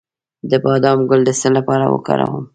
د بادام ګل د څه لپاره وکاروم؟